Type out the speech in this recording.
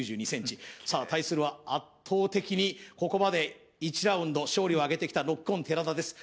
１９２ｃｍさあ対するは圧倒的にここまで１ラウンド勝利をあげてきたノッコン寺田です